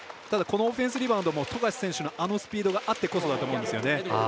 ただこのオフェンスリバウンドもあのスピードがあってこそだと思うんですよね。